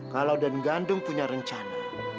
kalau dan gandum punya rencana